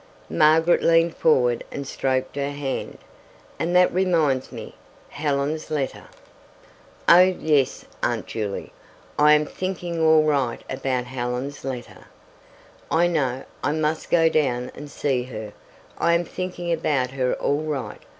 Margaret leaned forward and stroked her hand. "And that reminds me Helen's letter " "Oh, yes, Aunt Juley, I am thinking all right about Helen's letter. I know I must go down and see her. I am thinking about her all right.